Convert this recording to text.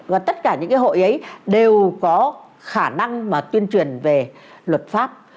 và tất cả những cái hội ấy đều có khả năng mà tuyên truyền về luật pháp